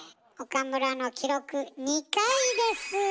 岡村の記録２回です。